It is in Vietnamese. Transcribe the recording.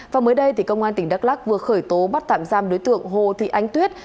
và mới đây thì công an tỉnh đắk lắc vừa khởi tố bắt tạm giam đối tượng hồ thị ánh tuyết